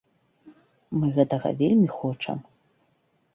Мы гэтага вельмі хочам.